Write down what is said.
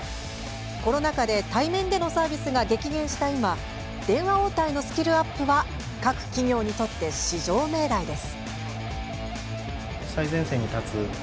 コロナ禍で対面でのサービスが激減した今電話応対のスキルアップは各企業にとって至上命題です。